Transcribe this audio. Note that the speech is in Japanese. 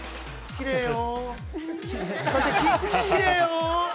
きれいよ。